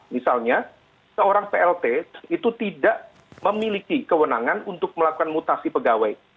misalnya seorang plt itu tidak memiliki kewenangan untuk melakukan mutasi pegawai